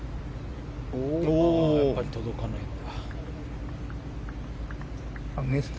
やっぱり届かないんだ。